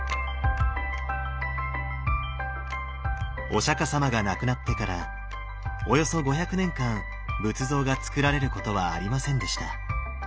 お釈様が亡くなってからおよそ５００年間仏像が造られることはありませんでした